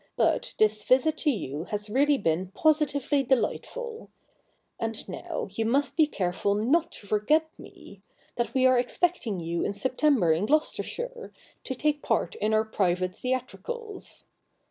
But this visit to you has really been positively delightful. And now, you must be careful not to forget me — that we are expecting you in September in Gloucestershire, to take part in our private theatricals.